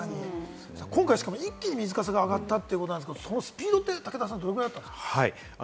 今回、一気に水かさが上がったということですが、そのスピードって武田さん、どのぐらいだったんですか？